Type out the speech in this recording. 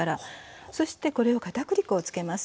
そしてこれを片栗粉をつけます。